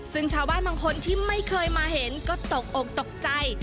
ซึ่งชาวบ้านบางคนที่ไม่เคยมาเห็นก็ตกอกตกใจ